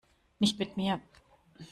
Nicht mit mir!